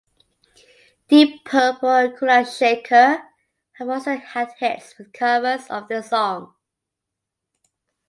Deep Purple and Kula Shaker have also had hits with covers of the song.